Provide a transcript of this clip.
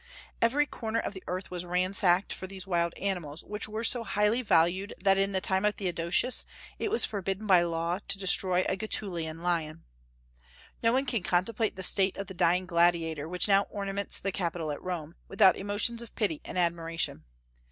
Every corner of the earth was ransacked for these wild animals, which were so highly valued that in the time of Theodosius it was forbidden by law to destroy a Getulian lion. No one can contemplate the statue of the Dying Gladiator which now ornaments the capitol at Rome, without emotions of pity and admiration.